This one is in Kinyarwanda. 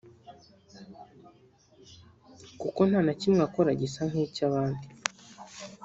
kuko nta na kimwe akora gisa n’icyabandi